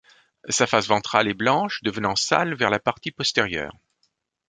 Sa face ventrale est blanche devenant sale vers la partie postérieure.